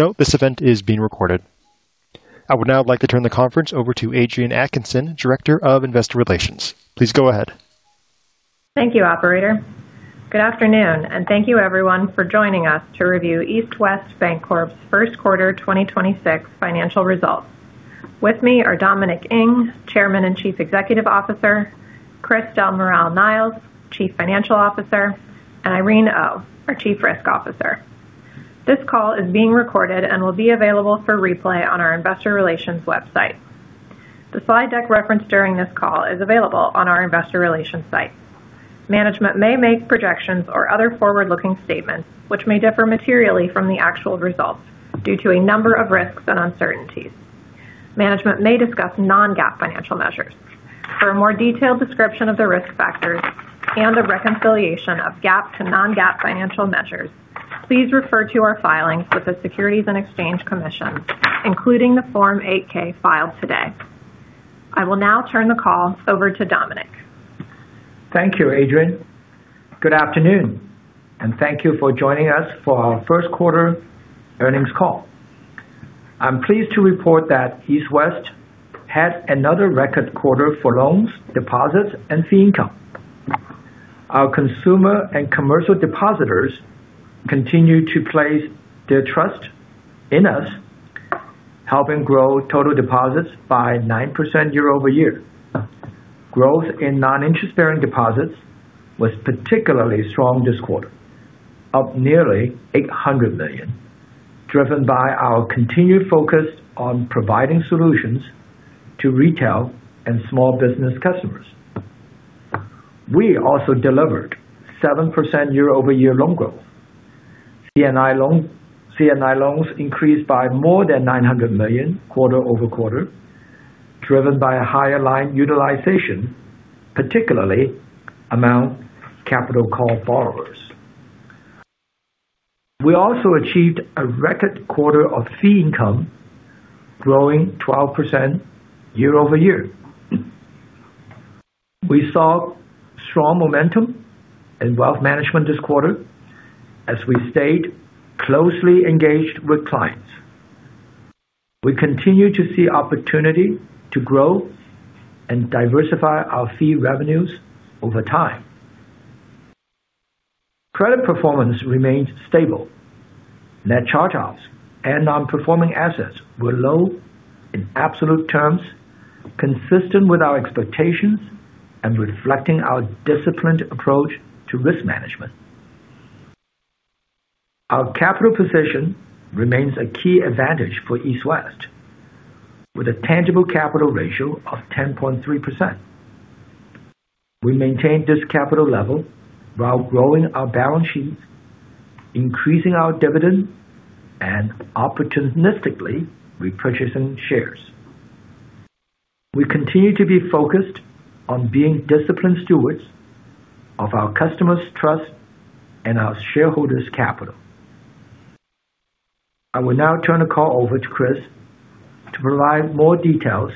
I would now like to turn the conference over to Adrienne Atkinson, Director of Investor Relations. Please go ahead. Thank you, operator. Good afternoon, and thank you everyone for joining us to review East West Bancorp's first quarter 2026 financial results. With me are Dominic Ng, Chairman and Chief Executive Officer, Chris J. Del Moral-Niles, Chief Financial Officer, and Irene Oh, our Chief Risk Officer. This call is being recorded and will be available for replay on our investor relations website. The slide deck referenced during this call is available on our investor relations site. Management may make projections or other forward-looking statements which may differ materially from the actual results due to a number of risks and uncertainties. Management may discuss non-GAAP financial measures. For a more detailed description of the risk factors and a reconciliation of GAAP to non-GAAP financial measures, please refer to our filings with the Securities and Exchange Commission, including the Form 8-K filed today. I will now turn the call over to Dominic. Thank you, Adrienne. Good afternoon, and thank you for joining us for our first quarter earnings call. I'm pleased to report that East West had another record quarter for loans, deposits, and fee income. Our consumer and commercial depositors continue to place their trust in us, helping grow total deposits by 9% year-over-year. Growth in non-interest-bearing deposits was particularly strong this quarter, up nearly $800 million, driven by our continued focus on providing solutions to retail and small business customers. We also delivered 7% year-over-year loan growth. C&I loans increased by more than $900 million quarter-over-quarter, driven by a higher line utilization, particularly among capital call borrowers. We also achieved a record quarter of fee income, growing 12% year-over-year. We saw strong momentum in wealth management this quarter as we stayed closely engaged with clients. We continue to see opportunity to grow and diversify our fee revenues over time. Credit performance remained stable. Net charge-offs and non-performing assets were low in absolute terms, consistent with our expectations and reflecting our disciplined approach to risk management. Our capital position remains a key advantage for East West Bancorp, with a tangible capital ratio of 10.3%. We maintained this capital level while growing our balance sheet, increasing our dividend, and opportunistically repurchasing shares. We continue to be focused on being disciplined stewards of our customers' trust and our shareholders' capital. I will now turn the call over to Chris to provide more details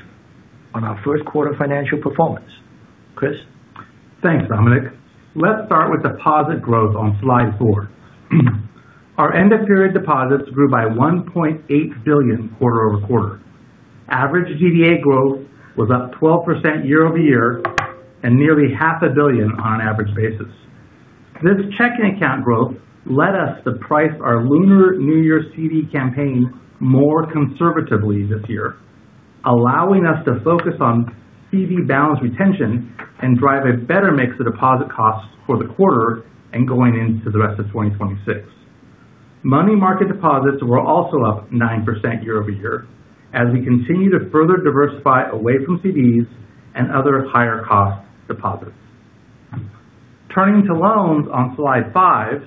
on our first quarter financial performance. Chris? Thanks, Dominic. Let's start with deposit growth on slide four. Our end of period deposits grew by $1.8 billion quarter-over-quarter. Average DDA growth was up 12% year-over-year and nearly half a billion on average basis. This checking account growth led us to price our Lunar New Year CD campaign more conservatively this year, allowing us to focus on CD balance retention and drive a better mix of deposit costs for the quarter and going into the rest of 2026. Money market deposits were also up 9% year-over-year as we continue to further diversify away from CDs and other higher cost deposits. Turning to loans on slide five.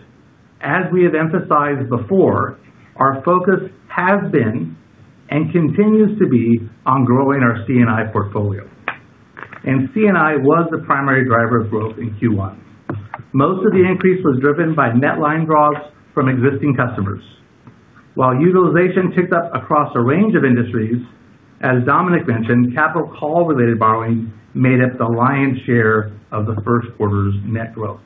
As we have emphasized before, our focus has been, and continues to be, on growing our C&I portfolio. C&I was the primary driver of growth in Q1. Most of the increase was driven by net line draws from existing customers. While utilization ticked up across a range of industries, as Dominic mentioned, capital call-related borrowing made up the lion's share of the first quarter's net growth.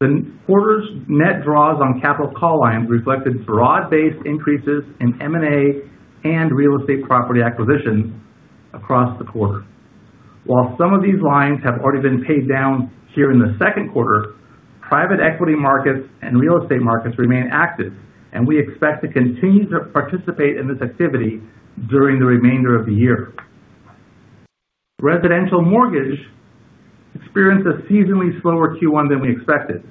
The quarter's net draws on capital call lines reflected broad-based increases in M&A and real estate property acquisitions across the quarter. While some of these lines have already been paid down here in the second quarter, private equity markets and real estate markets remain active, and we expect to continue to participate in this activity during the remainder of the year. Residential mortgage experienced a seasonally slower Q1 than we expected,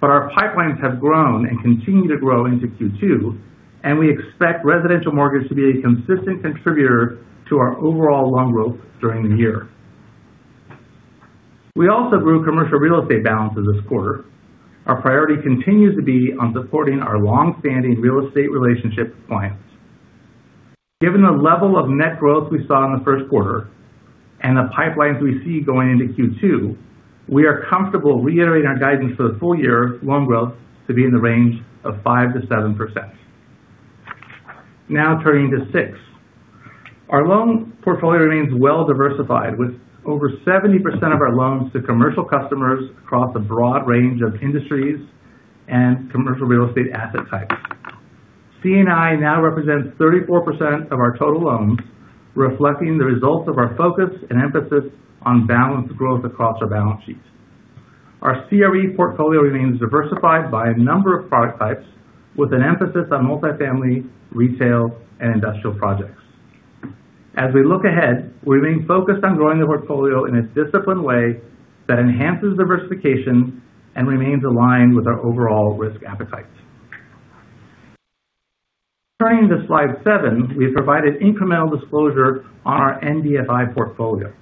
but our pipelines have grown and continue to grow into Q2, and we expect residential mortgage to be a consistent contributor to our overall loan growth during the year. We also grew commercial real estate balances this quarter. Our priority continues to be on supporting our long-standing real estate relationship clients. Given the level of net growth we saw in the first quarter and the pipelines we see going into Q2, we are comfortable reiterating our guidance for the full year loan growth to be in the range of 5%-7%. Now turning to six. Our loan portfolio remains well diversified with over 70% of our loans to commercial customers across a broad range of industries and commercial real estate asset types. C&I now represents 34% of our total loans, reflecting the results of our focus and emphasis on balanced growth across our balance sheets. Our CRE portfolio remains diversified by a number of product types, with an emphasis on multi-family, retail, and industrial projects. As we look ahead, we remain focused on growing the portfolio in a disciplined way that enhances diversification and remains aligned with our overall risk appetites. Turning to slide seven, we've provided incremental disclosure on our MDI portfolio.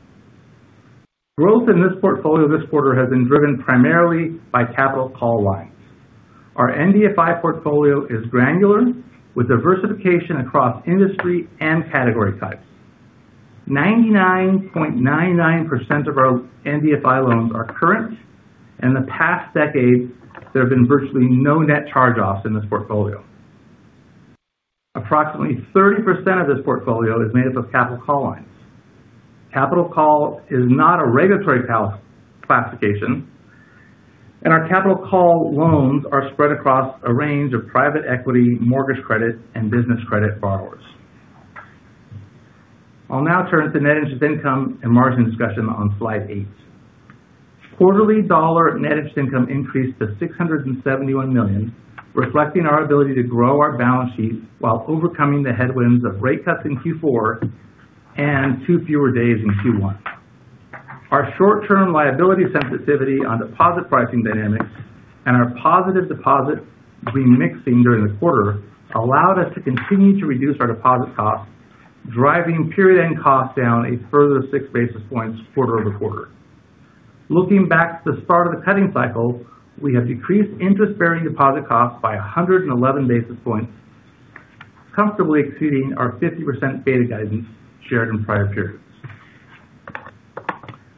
Growth in this portfolio this quarter has been driven primarily by capital call lines. Our MDI portfolio is granular, with diversification across industry and category types. 99.99% of our MDI loans are current, and in the past decade, there have been virtually no net charge-offs in this portfolio. Approximately 30% of this portfolio is made up of capital call lines. Capital call is not a regulatory classification, and our capital call loans are spread across a range of Private Equity, mortgage credit, and business credit borrowers. I'll now turn to net interest income and margin discussion on slide eight. Quarterly net interest income increased to $671 million, reflecting our ability to grow our balance sheet while overcoming the headwinds of rate cuts in Q4 and two fewer days in Q1. Our short-term liability sensitivity on deposit pricing dynamics and our positive deposit remixing during the quarter allowed us to continue to reduce our deposit costs, driving period-end costs down a further 6 basis points quarter-over-quarter. Looking back to the start of the cutting cycle, we have decreased interest-bearing deposit costs by 111 basis points, comfortably exceeding our 50% beta guidance shared in prior periods.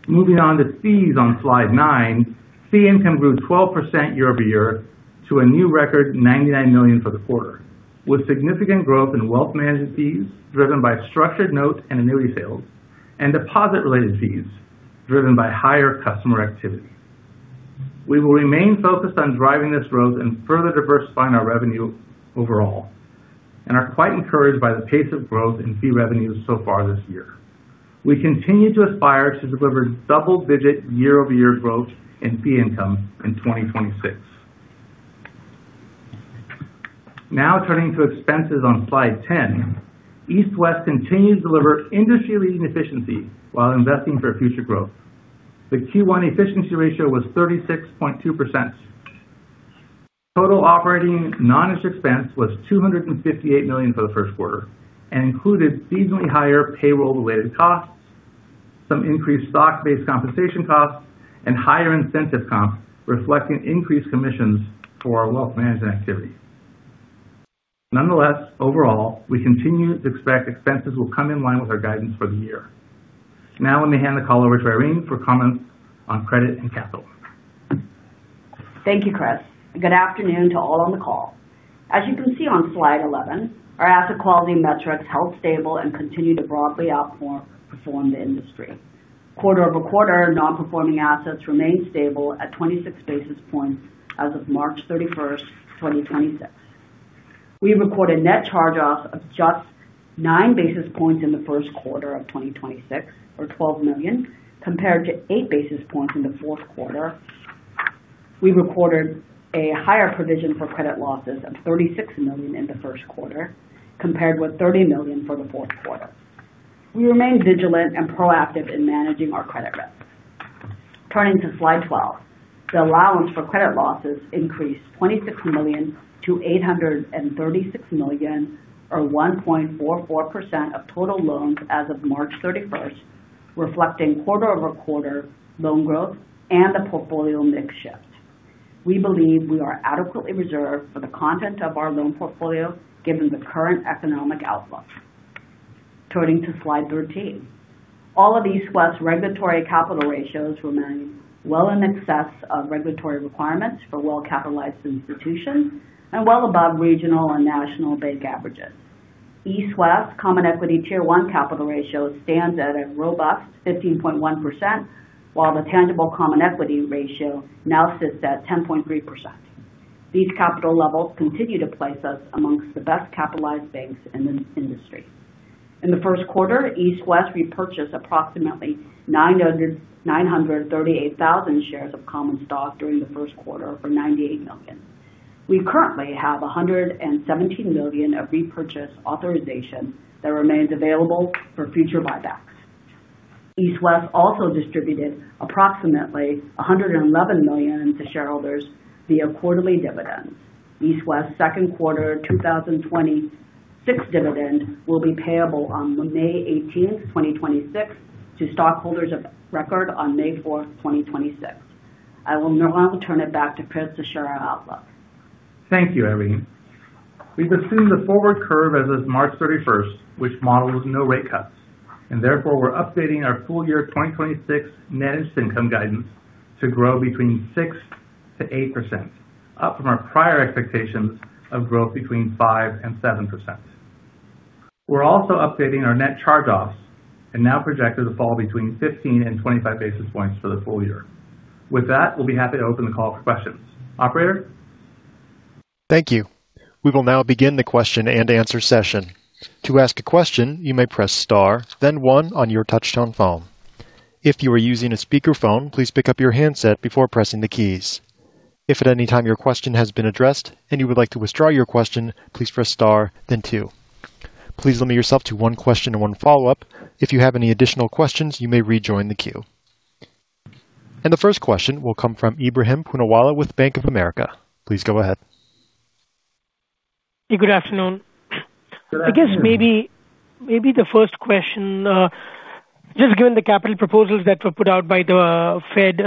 Moving on to fees on slide nine. Fee income grew 12% year-over-year to a new record $99 million for the quarter, with significant growth in wealth management fees driven by structured notes and annuity sales, and deposit-related fees driven by higher customer activity. We will remain focused on driving this growth and further diversifying our revenue overall, and are quite encouraged by the pace of growth in fee revenues so far this year. We continue to aspire to deliver double-digit year-over-year growth in fee income in 2026. Now turning to expenses on slide 10. East West continues to deliver industry-leading efficiency while investing for future growth. The Q1 efficiency ratio was 36.2%. Total operating non-interest expense was $258 million for the first quarter and included seasonally higher payroll-related costs, some increased stock-based compensation costs, and higher incentive comp reflecting increased commissions for our wealth management activities. Nonetheless, overall, we continue to expect expenses will come in line with our guidance for the year. Now let me hand the call over to Irene for comments on credit and capital. Thank you, Chris. Good afternoon to all on the call. As you can see on slide 11, our asset quality metrics held stable and continued to broadly outperform the industry. Quarter-over-quarter, non-performing assets remained stable at 26 basis points as of March 31st, 2026. We recorded net charge-offs of just 9 basis points in the first quarter of 2026 or $12 million, compared to 8 basis points in the fourth quarter. We recorded a higher provision for credit losses of $36 million in the first quarter compared with $30 million for the fourth quarter. We remain vigilant and proactive in managing our credit risk. Turning to slide 12. The allowance for credit losses increased $26 million to $836 million or 1.44% of total loans as of March 31st, reflecting quarter-over-quarter loan growth and the portfolio mix shift. We believe we are adequately reserved for the content of our loan portfolio given the current economic outlook. Turning to slide 13. All of East West's regulatory capital ratios remain well in excess of regulatory requirements for well-capitalized institutions and well above regional and national bank averages. East West common equity Tier 1 capital ratio stands at a robust 15.1%, while the tangible common equity ratio now sits at 10.3%. These capital levels continue to place us amongst the best-capitalized banks in the industry. In the first quarter, East West repurchased approximately 938,000 shares of common stock during the first quarter for $98 million. We currently have $117 million of repurchase authorization that remains available for future buybacks. East West also distributed approximately $111 million to shareholders via quarterly dividends. East West second quarter 2026 dividend will be payable on May 18th, 2026, to stockholders of record on May 4th, 2026. I will now turn it back to Chris to share our outlook. Thank you, Irene. We've assumed the forward curve as of March 31st, which models no rate cuts. Therefore, we're updating our full year 2026 managed income guidance to grow between 6%-8%, up from our prior expectations of growth between 5% and 7%. We're also updating our net charge-offs and now projected to fall between 15 and 25 basis points for the full year. With that, we'll be happy to open the call for questions. Operator? Thank you. We will now begin the question and answer session. To ask a question, you may press star then one on your touchtone phone. If you are using a speakerphone, please pick up your handset before pressing the keys. If at any time your question has been addressed and you would like to withdraw your question, please press star then two. Please limit yourself to one question and one follow-up. If you have any additional questions, you may rejoin the queue. The first question will come from Ebrahim Poonawala with Bank of America. Please go ahead. Good afternoon. Good afternoon. I guess maybe the first question, just given the capital proposals that were put out by the Fed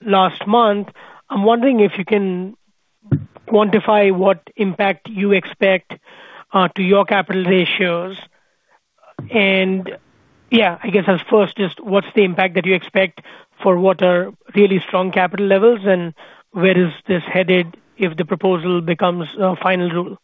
last month, I'm wondering if you can quantify what impact you expect to your capital ratios. Yeah, I guess first, just what's the impact that you expect for what are really strong capital levels, and where is this headed if the proposal becomes a final rule?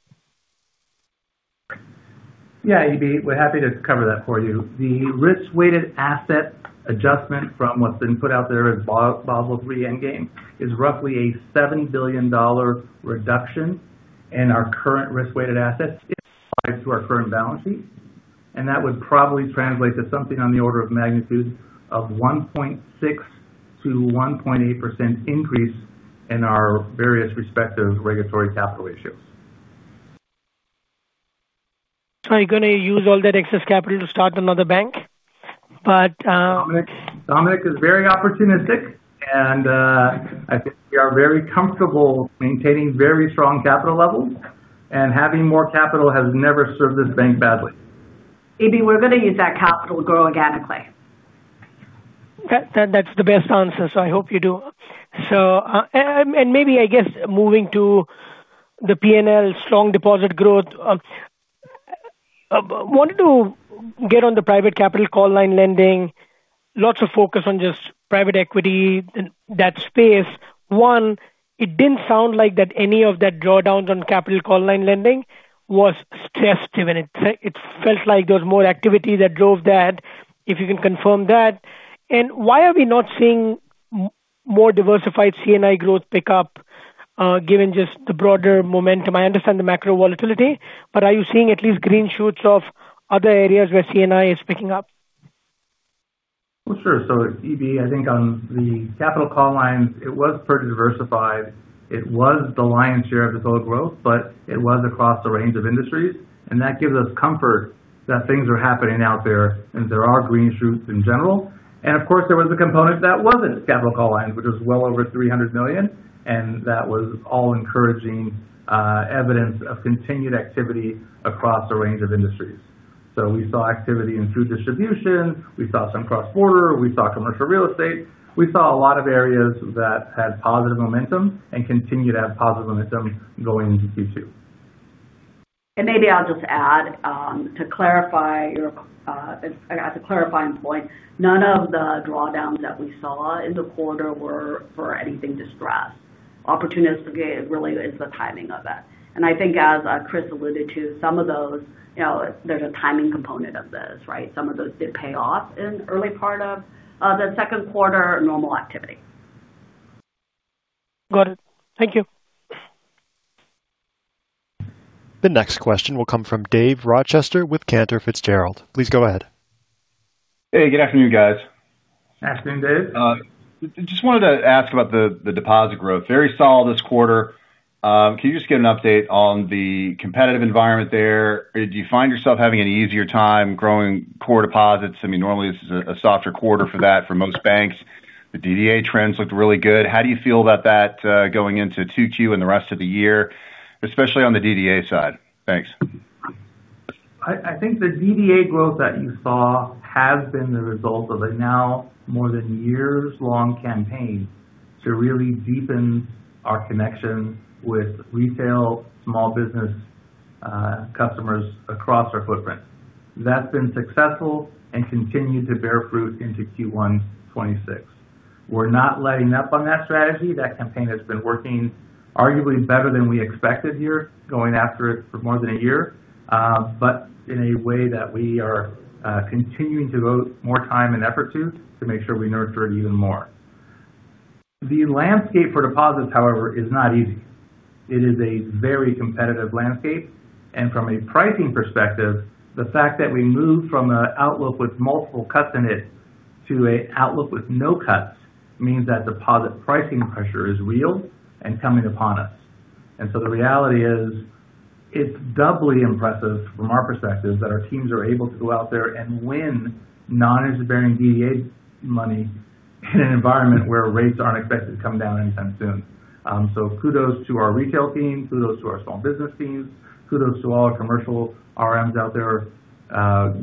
Yeah, Ebrahim, we're happy to cover that for you. The risk-weighted asset adjustment from what's been put out there as Basel III endgame is roughly a $7 billion reduction in our current risk-weighted assets if applied to our current balance sheet, and that would probably translate to something on the order of magnitude of 1.6%-1.8% increase in our various respective regulatory capital ratios. Are you going to use all that excess capital to start another bank? Dominic is very opportunistic, and I think we are very comfortable maintaining very strong capital levels and having more capital has never served this bank badly. Ebrahim, we're going to use that capital to grow organically. That's the best answer, so I hope you do. Maybe, I guess, moving to the P&L, strong deposit growth. I wanted to get on the private capital call line lending. Lots of focus on just private equity and that space. One, it didn't sound like any of that drawdowns on capital call line lending was stress-driven. It felt like there was more activity that drove that, if you can confirm that. Why are we not seeing more diversified C&I growth pick up, given just the broader momentum? I understand the macro volatility, but are you seeing at least green shoots of other areas where C&I is picking up? Well, sure. Ebrahim, I think on the capital call lines, it was pretty diversified. It was the lion's share of the total growth, but it was across a range of industries, and that gives us comfort that things are happening out there, and there are green shoots in general. Of course, there was a component that wasn't capital call lines, which was well over $300 million, and that was all encouraging evidence of continued activity across a range of industries. We saw activity in food distribution, we saw some cross-border, we saw commercial real estate. We saw a lot of areas that had positive momentum and continue to have positive momentum going into Q2. Maybe I'll just add to clarify your, as a clarifying point, none of the drawdowns that we saw in the quarter were for anything distressed. Opportunistic really is the timing of it. I think as Chris alluded to, some of those, there's a timing component of this, right? Some of those did pay off in early part of the second quarter. Normal activity. Got it. Thank you. The next question will come from Dave Rochester with Cantor Fitzgerald. Please go ahead. Hey, Good afternoon, guys. Afternoon, Dave. Just wanted to ask about the deposit growth, very solid this quarter. Can you just give an update on the competitive environment there? Do you find yourself having an easier time growing core deposits? I mean, normally this is a softer quarter for that for most banks. The DDA trends looked really good. How do you feel about that going into 2Q and the rest of the year, especially on the DDA side? Thanks. I think the DDA growth that you saw has been the result of a now more than a years-long campaign to really deepen our connection with retail, small business customers across our footprint. That's been successful and continued to bear fruit into Q1 2026. We're not letting up on that strategy. That campaign has been working arguably better than we expected here, going after it for more than a year. In a way that we are continuing to devote more time and effort to make sure we nurture it even more. The landscape for deposits, however, is not easy. It is a very competitive landscape, and from a pricing perspective, the fact that we moved from an outlook with multiple cuts in it to an outlook with no cuts means that deposit pricing pressure is real and coming upon us. The reality is, it's doubly impressive from our perspective that our teams are able to go out there and win non-interest-bearing DDA money in an environment where rates aren't expected to come down anytime soon. Kudos to our retail team, kudos to our small business teams, kudos to all our commercial RMs out there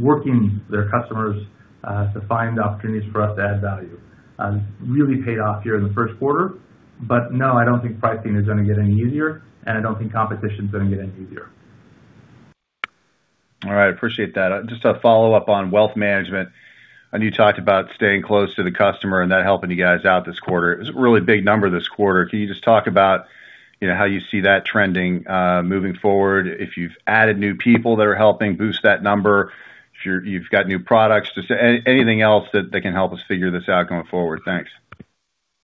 working their customers to find opportunities for us to add value. Really paid off here in the first quarter. No, I don't think pricing is going to get any easier, and I don't think competition's going to get any easier. All right. I appreciate that. Just a follow-up on wealth management. I know you talked about staying close to the customer and that helping you guys out this quarter. It was a really big number this quarter. Can you just talk about how you see that trending moving forward, if you've added new people that are helping boost that number, if you've got new products, just anything else that can help us figure this out going forward. Thanks.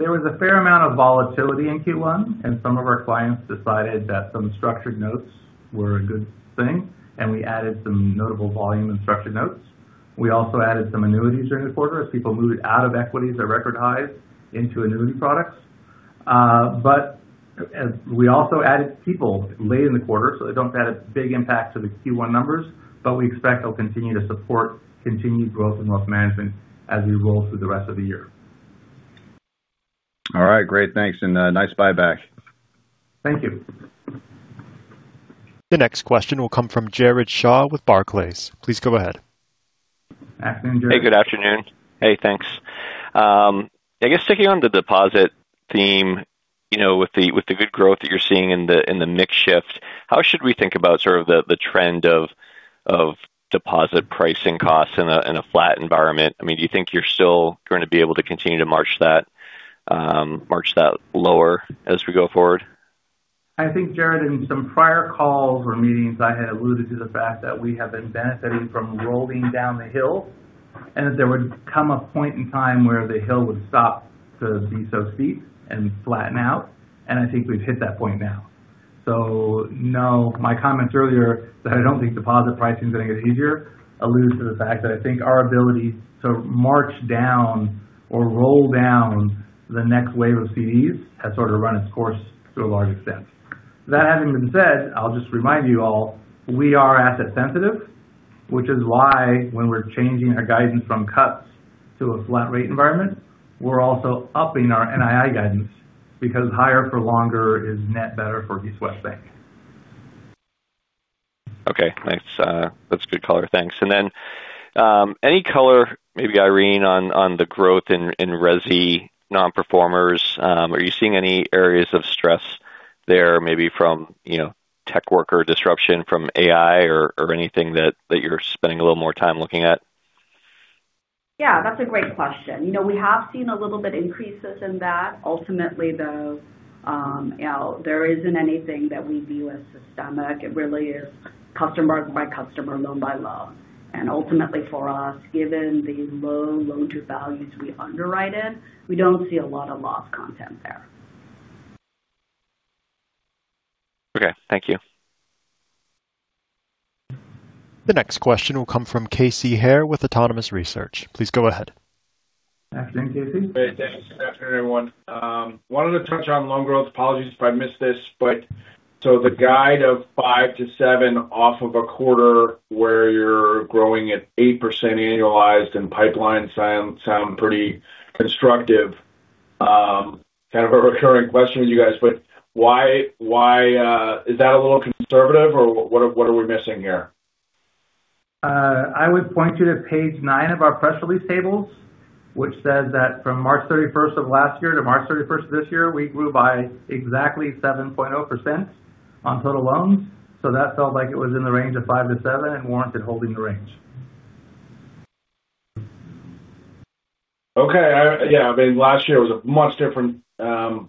There was a fair amount of volatility in Q1, and some of our clients decided that some structured notes were a good thing, and we added some notable volume in structured notes. We also added some annuities during the quarter as people moved out of equities at record highs into annuity products. We also added people late in the quarter, so they don't add a big impact to the Q1 numbers. We expect they'll continue to support continued growth in wealth management as we roll through the rest of the year. All right. Great. Thanks. Nice buyback. Thank you. The next question will come from Jared Shaw with Barclays. Please go ahead. Afternoon, Jared. Good afternoon. Thanks. I guess sticking on the deposit theme with the good growth that you're seeing in the mix shift, how should we think about sort of the trend of deposit pricing costs in a flat environment? Do you think you're still going to be able to continue to march that lower as we go forward? I think, Jared, in some prior calls or meetings, I had alluded to the fact that we have been benefiting from rolling down the hill, and that there would come a point in time where the hill would stop to be so steep and flatten out, and I think we've hit that point now. No, my comments earlier that I don't think deposit pricing is going to get easier alludes to the fact that I think our ability to march down or roll down the next wave of CDs has sort of run its course to a large extent. That having been said, I'll just remind you all, we are asset sensitive, which is why when we're changing our guidance from cuts to a flat rate environment, we're also upping our NII guidance because higher for longer is net better for East West Bank. Okay. Thanks. That's good color. Thanks. Any color, maybe Irene, on the growth in resi non-performers. Are you seeing any areas of stress there, maybe from tech worker disruption from AI or anything that you're spending a little more time looking at? Yeah, that's a great question. We have seen a little bit increases in that. Ultimately, though, there isn't anything that we view as systemic. It really is customer by customer, loan by loan. Ultimately for us, given the low loan-to-values we underwrite in, we don't see a lot of loss content there. Okay, thank you. The next question will come from Casey Haire with Autonomous Research. Please go ahead. Afternoon, Casey. Great. Thanks. Good afternoon, everyone. I wanted to touch on loan growth. Apologies if I missed this, but the guide of 5%-7% off of a quarter where you're growing at 8% annualized and pipelines sound pretty constructive. Kind of a recurring question with you guys, but why is that a little conservative or what are we missing here? I would point you to page nine of our press release tables, which says that from March 31st of last year to March 31st of this year, we grew by exactly 7.0% on total loans. That felt like it was in the range of 5%-7% and warranted holding the range. Okay. Yeah. Last year was much different. We had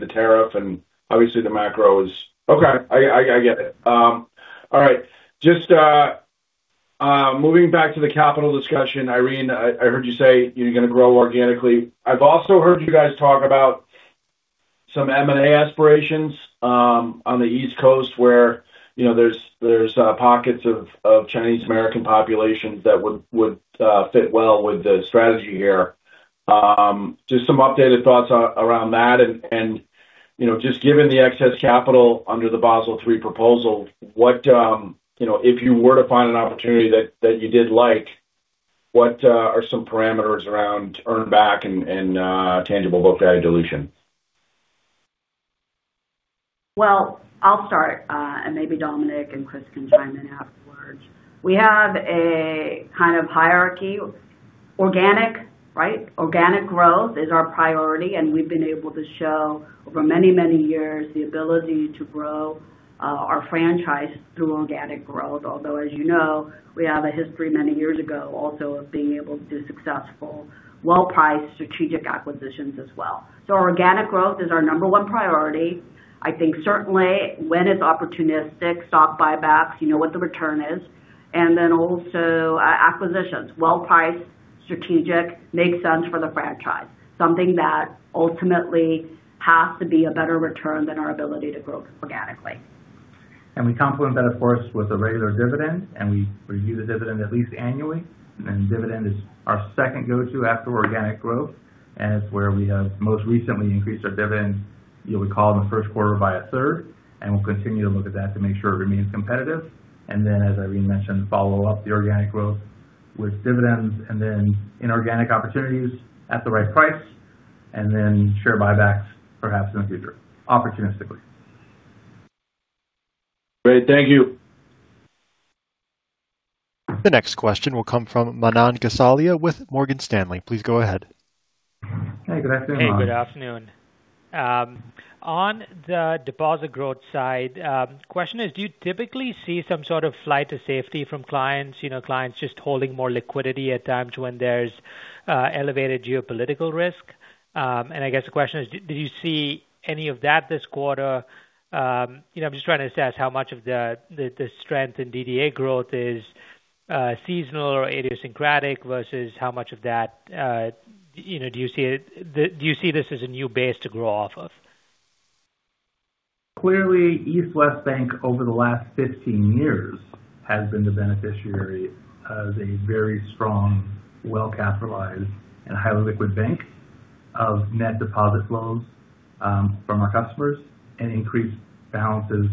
the tariff and obviously the macro. Okay. I get it. All right. Just moving back to the capital discussion, Irene, I heard you say you're going to grow organically. I've also heard you guys talk about some M&A aspirations on the East Coast where there's pockets of Chinese-American populations that would fit well with the strategy here. Just some updated thoughts around that. Just given the excess capital under the Basel III proposal, if you were to find an opportunity that you did like, what are some parameters around earn back and tangible book value dilution? Well, I'll start, and maybe Dominic and Chris can chime in afterwards. We have a kind of hierarchy. Organic growth is our priority, and we've been able to show over many, many years the ability to grow our franchise through organic growth. Although as you know, we have a history many years ago also of being able to do successful well-priced strategic acquisitions as well. Our organic growth is our number one priority. I think certainly when it's opportunistic, stock buybacks, you know what the return is. Then also acquisitions, well-priced, strategic, makes sense for the franchise. Something that ultimately has to be a better return than our ability to grow organically. We complement that, of course, with a regular dividend, and we review the dividend at least annually. Dividend is our second go-to after organic growth. It's where we have most recently increased our dividend, you'll recall in the first quarter by a third, and we'll continue to look at that to make sure it remains competitive. Then, as Irene mentioned, follow up the organic growth with dividends and then inorganic opportunities at the right price, and then share buybacks perhaps in the future, opportunistically. Great. Thank you. The next question will come from Manan Gosalia with Morgan Stanley. Please go ahead. Hey, good afternoon. Hey, good afternoon. On the deposit growth side, question is, do you typically see some sort of flight to safety from clients just holding more liquidity at times when there's elevated geopolitical risk? I guess the question is, did you see any of that this quarter? I'm just trying to assess how much of the strength in DDA growth is seasonal or idiosyncratic versus how much of that, do you see this as a new base to grow off of? Clearly, East West Bank over the last 15 years has been the beneficiary of a very strong, well-capitalized, and highly liquid bank of net deposit loans from our customers and increased balances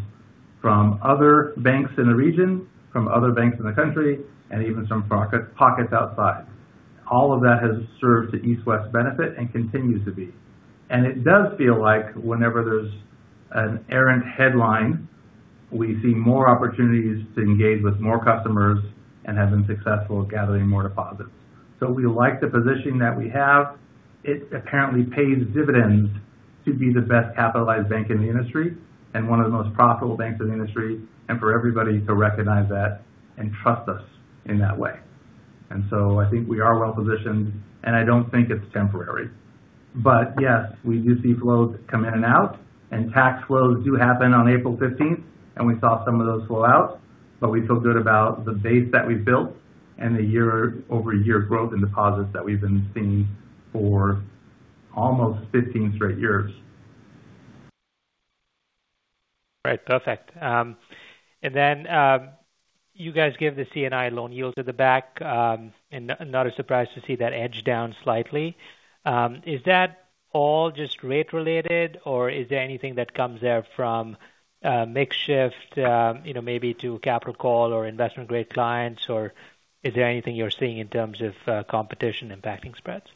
from other banks in the region, from other banks in the country, and even some pockets outside. All of that has served to East West's benefit and continues to be. It does feel like whenever there's an errant headline, we see more opportunities to engage with more customers and have been successful at gathering more deposits. We like the positioning that we have. It apparently pays dividends to be the best capitalized bank in the industry and one of the most profitable banks in the industry, and for everybody to recognize that and trust us in that way. I think we are well positioned, and I don't think it's temporary. Yes, we do see flows come in and out, and tax flows do happen on April 15th, and we saw some of those flow out. We feel good about the base that we've built and the year-over-year growth in deposits that we've been seeing for almost 15 straight years. Right. Perfect. You guys give the C&I loan yields at the back, and not a surprise to see that edge down slightly. Is that all just rate related, or is there anything that comes there from mix shift maybe to capital call or investment-grade clients, or is there anything you're seeing in terms of competition impacting spreads?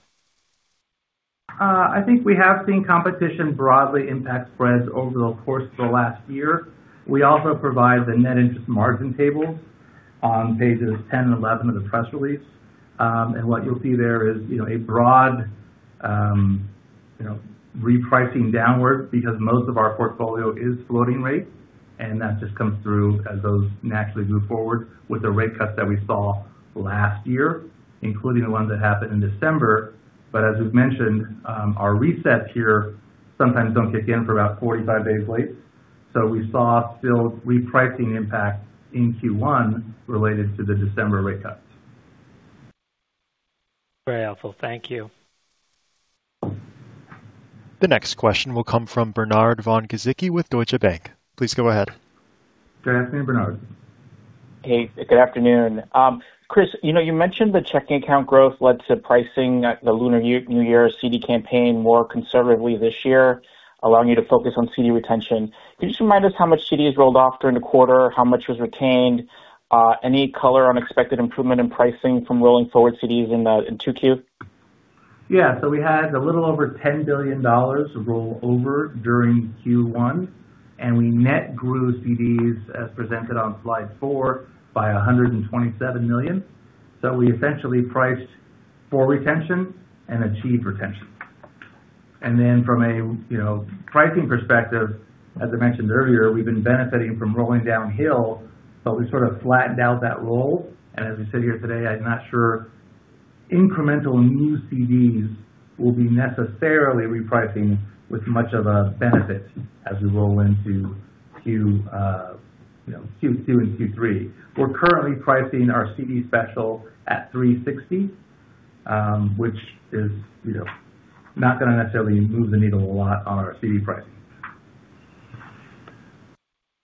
I think we have seen competition broadly impact spreads over the course of the last year. We also provide the net interest margin table on pages 10 and 11 of the press release. What you'll see there is a broad repricing downward because most of our portfolio is floating rate, and that just comes through as those naturally move forward with the rate cuts that we saw last year, including the ones that happened in December. As we've mentioned, our resets here sometimes don't kick in for about 45 days late. We saw still repricing impact in Q1 related to the December rate cuts. Very helpful. Thank you. The next question will come from Bernard von Gizycki with Deutsche Bank. Please go ahead. Go ahead, Bernard. Hey, good afternoon. Chris, you mentioned the checking account growth led to pricing the Lunar New Year CD campaign more conservatively this year, allowing you to focus on CD retention. Could you just remind us how much CD is rolled off during the quarter, how much was retained, any color on expected improvement in pricing from rolling forward CDs in 2Q? Yeah. We had a little over $10 billion roll over during Q1, and we net grew CDs as presented on slide four by $127 million. We essentially priced for retention and achieved retention. From a pricing perspective, as I mentioned earlier, we've been benefiting from rolling downhill, but we sort of flattened out that roll. As we sit here today, I'm not sure incremental new CDs will be necessarily repricing with much of a benefit as we roll into Q2 and Q3. We're currently pricing our CD special at 360, which is not going to necessarily move the needle a lot on our CD pricing.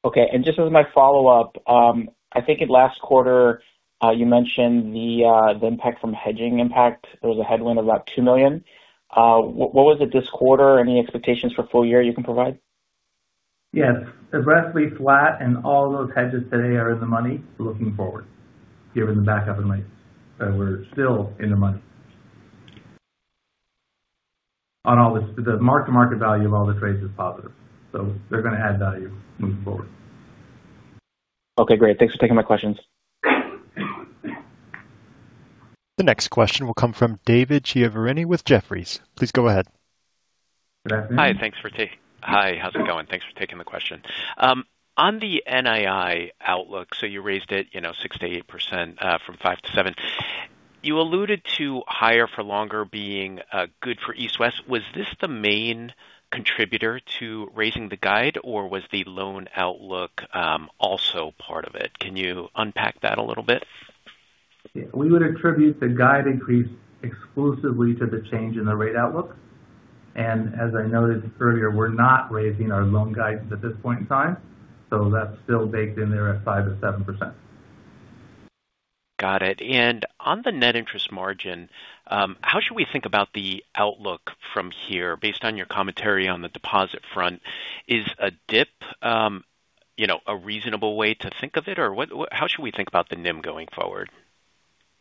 Okay. Just as my follow-up, I think in last quarter, you mentioned the impact from hedging impact. There was a headwind of about $2 million. What was it this quarter? Any expectations for full year you can provide? Yes. Aggressively flat, and all those hedges today are in the money looking forward, given the backup in rates. We're still in the money. All the mark-to-market value of all the trades is positive, so they're going to add value moving forward. Okay, great. Thanks for taking my questions. The next question will come from David Chiaverini with Jefferies. Please go ahead. Go ahead. Hi. How's it going? Thanks for taking the question. On the NII outlook, so you raised it 6%-8% from 5%-7%. You alluded to higher for longer being good for East West. Was this the main contributor to raising the guide or was the loan outlook also part of it? Can you unpack that a little bit? Yeah. We would attribute the guide increase exclusively to the change in the rate outlook. As I noted earlier, we're not raising our loan guidance at this point in time, so that's still baked in there at 5%-7%. Got it. On the net interest margin, how should we think about the outlook from here based on your commentary on the deposit front? Is a dip a reasonable way to think of it, or how should we think about the NIM going forward?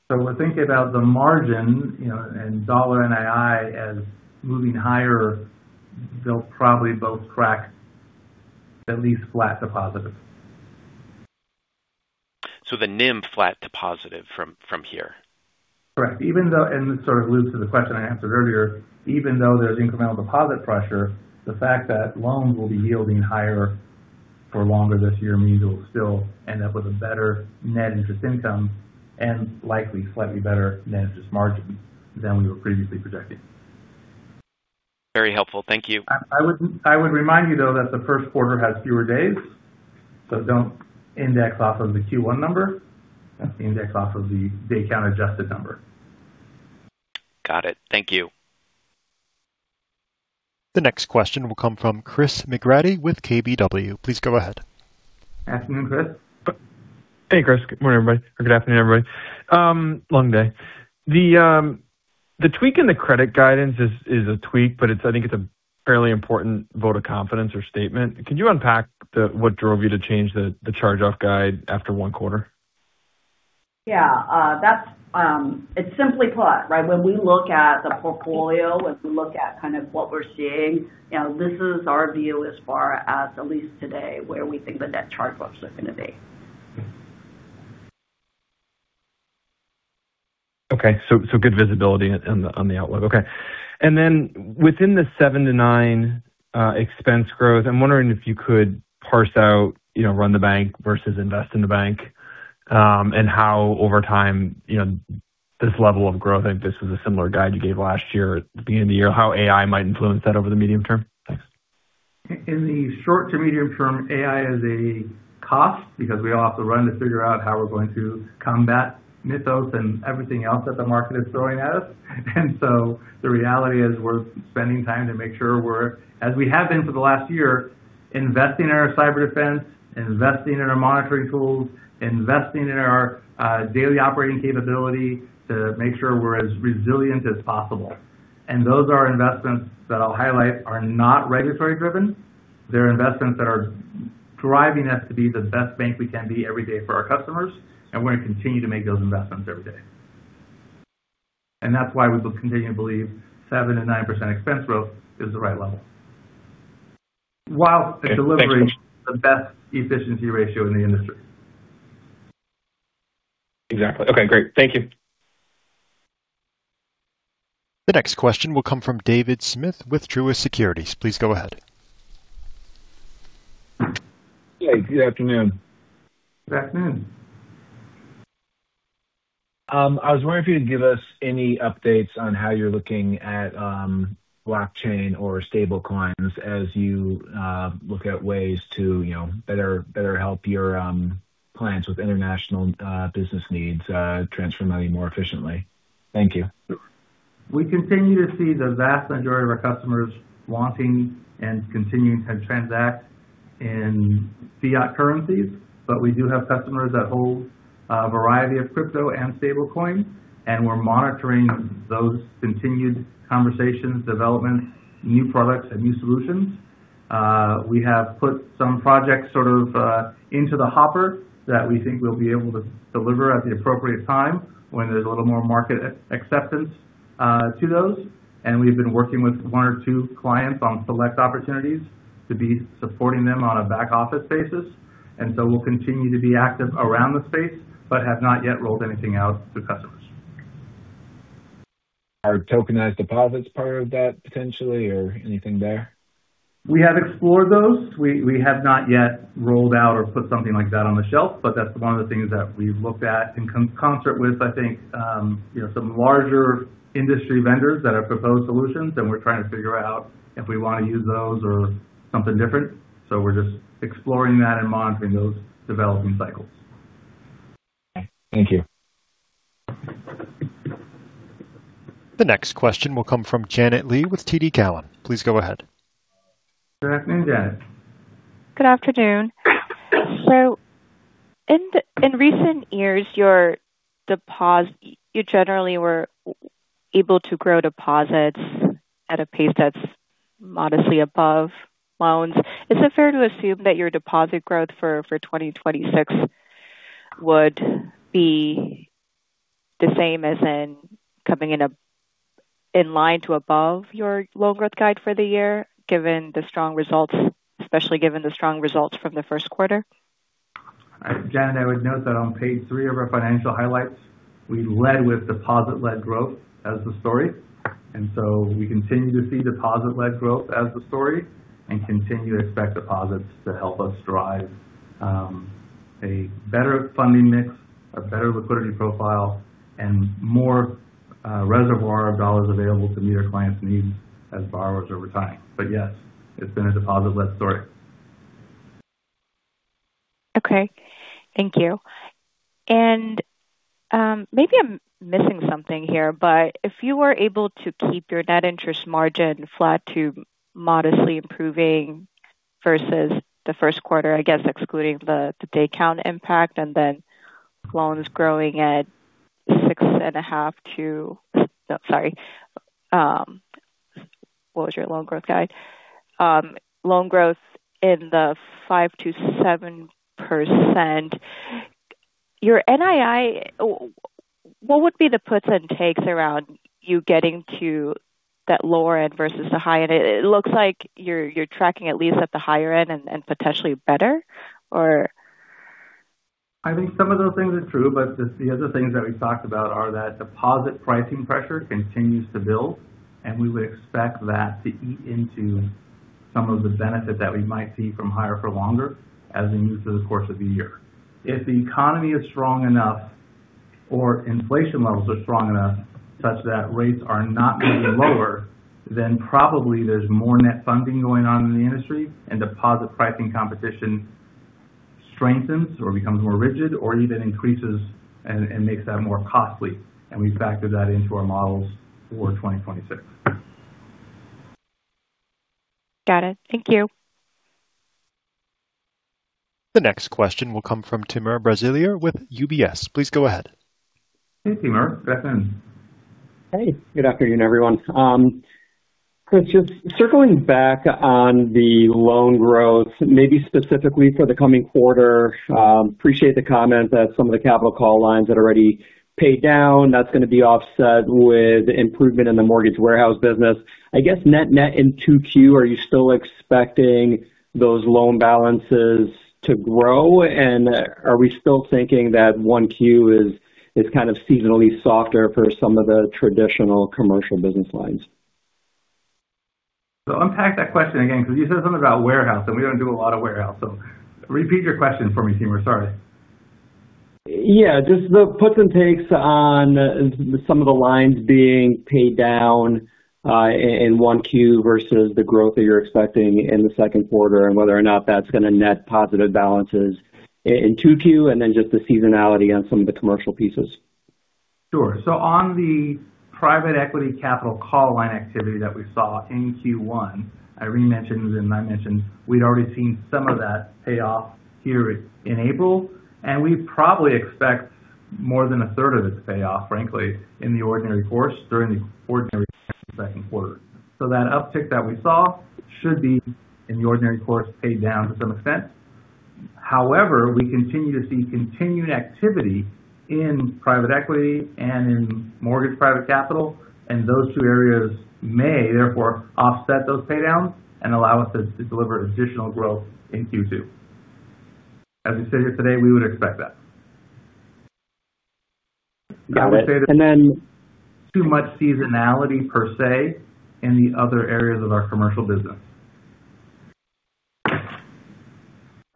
When thinking about the margin and dollar NII as moving higher, they'll probably both track at least flat to positive. The NIM flat to positive from here. Correct. This sort of loops to the question I answered earlier. Even though there's incremental deposit pressure, the fact that loans will be yielding higher for longer this year means we'll still end up with a better net interest income and likely slightly better net interest margin than we were previously projecting. Very helpful. Thank you. I would remind you though, that the first quarter has fewer days. Don't index off of the Q1 number. Just index off of the day count adjusted number. Got it. Thank you. The next question will come from Chris McGratty with KBW. Please go ahead. Afternoon, Chris. Hey, Chris. Good morning, everybody, or good afternoon, everybody. Long day. The tweak in the credit guidance is a tweak, but I think it's a fairly important vote of confidence or statement. Could you unpack what drove you to change the charge-off guide after one quarter? Yeah. It's simply put, right? When we look at the portfolio, when we look at kind of what we're seeing, this is our view as far as at least today, where we think the net charge-offs are going to be. Okay. Good visibility on the outlook. Okay. Then within the 7%-9% expense growth, I'm wondering if you could parse out run the bank versus invest in the bank. How over time, this level of growth, I think this was a similar guide you gave last year at the beginning of the year, how AI might influence that over the medium term. Thanks. In the short to medium term, AI is a cost because we all have to run to figure out how we're going to combat Mythos and everything else that the market is throwing at us. The reality is we're spending time to make sure we're, as we have been for the last year, investing in our cyber defense, investing in our monitoring tools, investing in our daily operating capability to make sure we're as resilient as possible. Those are investments that I'll highlight are not regulatory driven. They're investments that are driving us to be the best bank we can be every day for our customers, and we're going to continue to make those investments every day. That's why we will continue to believe 7%-9% expense growth is the right level while delivering- Okay. Thanks so much. the best efficiency ratio in the industry. Exactly. Okay, great. Thank you. The next question will come from David Smith with Truist Securities. Please go ahead. Hey, good afternoon. Good afternoon. I was wondering if you could give us any updates on how you're looking at blockchain or stablecoins as you look at ways to better help your clients with international business needs to transfer money more efficiently. Thank you. We continue to see the vast majority of our customers wanting and continuing to transact in fiat currencies. We do have customers that hold a variety of crypto and stablecoins, and we're monitoring those continued conversations, development, new products, and new solutions. We have put some projects sort of into the hopper that we think we'll be able to deliver at the appropriate time when there's a little more market acceptance to those. We've been working with one or two clients on select opportunities to be supporting them on a back office basis. We'll continue to be active around the space, but have not yet rolled anything out to customers. Are tokenized deposits part of that potentially or anything there? We have explored those. We have not yet rolled out or put something like that on the shelf. That's one of the things that we've looked at in concert with, I think some larger industry vendors that have proposed solutions, and we're trying to figure out if we want to use those or something different. We're just exploring that and monitoring those development cycles. Thank you. The next question will come from Janet Lee with TD Cowen. Please go ahead. Good afternoon, Janet. Good afternoon. In recent years, you generally were able to grow deposits at a pace that's modestly above loans. Is it fair to assume that your deposit growth for 2026 would be the same as in coming in line to above your loan growth guide for the year, especially given the strong results from the first quarter? Janet, I would note that on page three of our financial highlights, we led with deposit-led growth as the story. We continue to see deposit-led growth as the story and continue to expect deposits to help us drive a better funding mix, a better liquidity profile, and more reservoir of dollars available to meet our clients' needs as borrowers over time. Yes, it's been a deposit-led story. Okay. Thank you. Maybe I'm missing something here, but if you were able to keep your net interest margin flat to modestly improving versus the first quarter, I guess excluding the day count impact, and then loans growing, sorry, what was your loan growth guide? Loan growth in the 5%-7%. Your NII. What would be the puts and takes around you getting to that lower end versus the high end? It looks like you're tracking at least at the higher end and potentially better or. I think some of those things are true, but the other things that we've talked about are that deposit pricing pressure continues to build, and we would expect that to eat into some of the benefit that we might see from higher for longer as we move through the course of the year. If the economy is strong enough or inflation levels are strong enough such that rates are not moving lower, then probably there's more net funding going on in the industry and deposit pricing competition strengthens or becomes more rigid or even increases and makes that more costly. We factor that into our models for 2026. Got it. Thank you. The next question will come from Timur Braziler with UBS. Please go ahead. Hey, Timur. Welcome. Hey, good afternoon, everyone. Chris, just circling back on the loan growth, maybe specifically for the coming quarter. I appreciate the comment that some of the capital call lines that already paid down, that's going to be offset with improvement in the mortgage warehouse business. I guess net net in 2Q, are you still expecting those loan balances to grow? Are we still thinking that 1Q is kind of seasonally softer for some of the traditional commercial business lines? Unpack that question again, because you said something about warehouse, and we don't do a lot of warehouse. Repeat your question for me, Timur. Sorry. Yeah. Just the puts and takes on some of the lines being paid down in 1Q versus the growth that you're expecting in the second quarter and whether or not that's going to net positive balances in 2Q, and then just the seasonality on some of the commercial pieces. Sure. On the Private Equity capital call line activity that we saw in Q1, Irene mentioned and I mentioned we'd already seen some of that pay off here in April, and we probably expect more than a third of it to pay off, frankly, in the ordinary course during the ordinary second quarter. That uptick that we saw should be in the ordinary course paid down to some extent. However, we continue to see continued activity in Private Equity and in mortgage private capital, and those two areas may therefore offset those pay downs and allow us to deliver additional growth in Q2. As we sit here today, we would expect that. Got it. Too much seasonality per se in the other areas of our commercial business.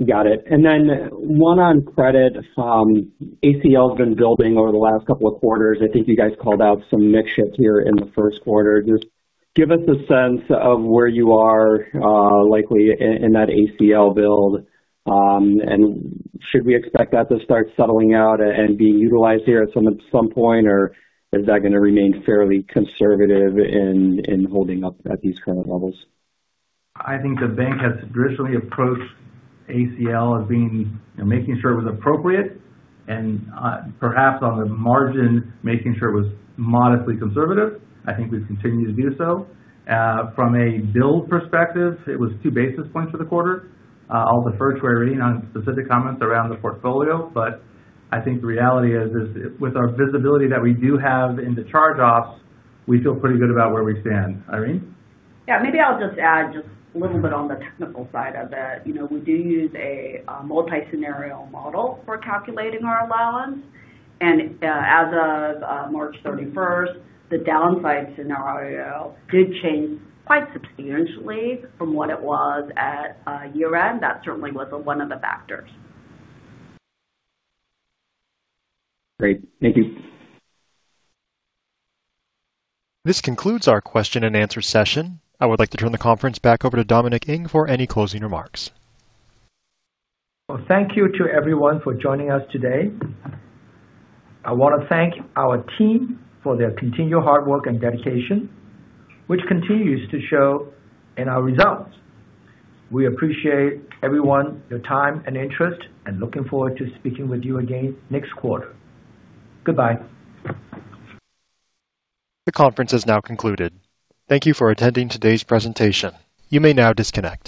Got it. One on credit. ACL has been building over the last couple of quarters. I think you guys called out some mix shift here in the first quarter. Just give us a sense of where you are likely in that ACL build, and should we expect that to start settling out and being utilized here at some point, or is that going to remain fairly conservative in holding up at these current levels? I think the bank has traditionally approached ACL as being, making sure it was appropriate and perhaps on the margin, making sure it was modestly conservative. I think we've continued to do so. From a build perspective, it was 2 basis points for the quarter. I'll defer to Irene on specific comments around the portfolio, but I think the reality is with our visibility that we do have in the charge-offs, we feel pretty good about where we stand. Irene. Yeah. Maybe I'll just add a little bit on the technical side of it. We do use a multi-scenario model for calculating our allowance, and as of March 31st, the downside scenario did change quite substantially from what it was at year-end. That certainly was one of the factors. Great. Thank you. This concludes our question and answer session. I would like to turn the conference back over to Dominic Ng for any closing remarks. Well, thank you to everyone for joining us today. I want to thank our team for their continued hard work and dedication, which continues to show in our results. We appreciate everyone's time and interest, and looking forward to speaking with you again next quarter. Goodbye. The conference has now concluded. Thank you for attending today's presentation. You may now disconnect.